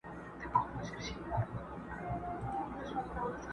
اوس په كلي كي چي هر څه دهقانان دي٫